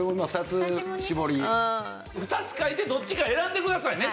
２つ書いてどっちか選んでくださいね